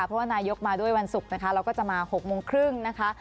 เพราะว่านายกมาด้วยวันศุกร์นะคะเราก็จะมา๖โมงครึ่งนะคะ